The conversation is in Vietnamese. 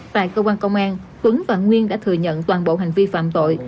tại cơ quan công an tuấn và nguyên đã thừa nhận toàn bộ hành vi phạm tội